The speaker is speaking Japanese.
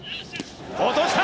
落とした。